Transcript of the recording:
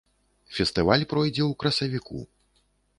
Фестываль пройдзе ў красавіку.